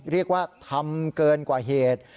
เรียกว่าทำเกินกว่าเหตุ